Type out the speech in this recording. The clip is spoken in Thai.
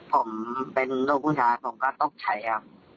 ผมเป็นลูกผู้ชายผมก็ต้องใช้ครับ